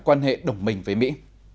quan hệ đồng minh với mỹ